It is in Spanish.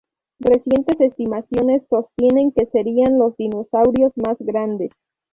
Recientes estimaciones sostienen que serian los dinosaurios mas grandes.